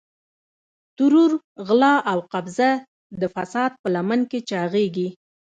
ترور، غلا او قبضه د فساد په لمن کې چاغېږي.